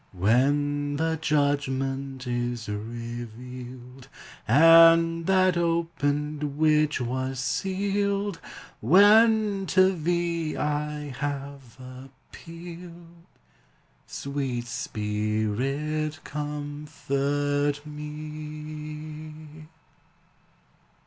When the judgment is revealed, And that opened which was sealed, When to thee I have appealed, Sweet Spirit, comfort me!